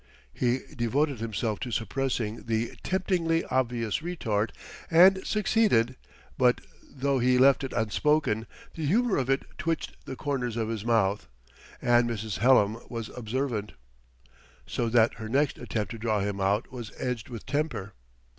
He devoted himself to suppressing the temptingly obvious retort, and succeeded; but though he left it unspoken, the humor of it twitched the corners of his mouth; and Mrs. Hallam was observant. So that her next attempt to draw him out was edged with temper.